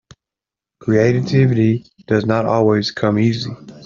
Creativity does not always come easy.